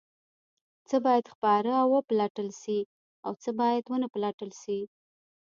څه باید خپاره او وپلټل شي او څه باید ونه پلټل شي؟